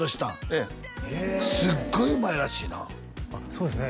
ええすごいうまいらしいなそうですね